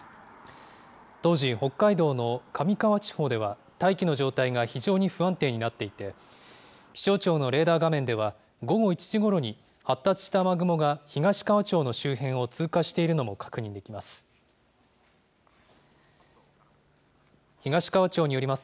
当時、北海道の上川地方では大気の状態が非常に不安定になっていて、気象庁のレーダー画面では、午後１時ごろに発達した雨雲が東川町の周辺を通過しているのも確認できます。